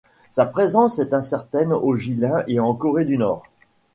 Sa présence est incertaine au Jilin et en Corée du Nord.